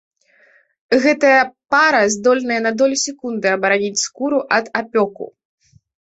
Гэтая пара здольная на долю секунды абараніць скуру ад апёку.